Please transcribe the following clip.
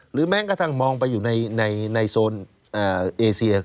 แม้กระทั่งมองไปอยู่ในโซนเอเซีย